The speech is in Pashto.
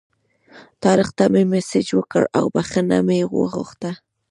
طارق ته مې مسیج وکړ او بخښنه مې وغوښته.